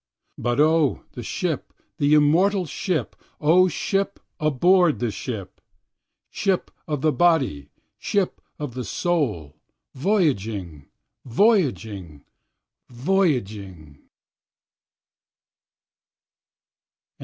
2. But O the ship, the immortal ship! O ship aboard the ship! O ship of the body ship of the soul voyaging, voyaging, voyaging.